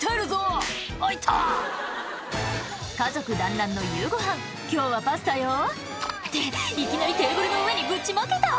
家族だんらんの夕ごはん「今日はパスタよ」っていきなりテーブルの上にぶちまけた！